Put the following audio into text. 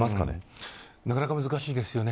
なかなか難しいですよね。